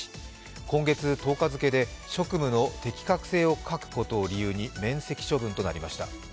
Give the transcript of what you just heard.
今月１０日付で職務の適格性を欠くことを理由に免責処分となりました。